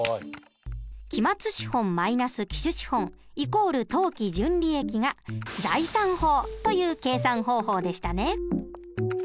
期末資本−期首資本＝当期純利益が財産法という計算方法でしたね。